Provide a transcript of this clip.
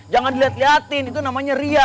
jangan dilihat lihatin itu namanya ria